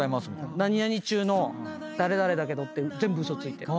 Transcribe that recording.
何々中の誰々だけどって全部嘘ついて。